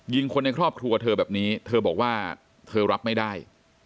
คนในครอบครัวเธอแบบนี้เธอบอกว่าเธอรับไม่ได้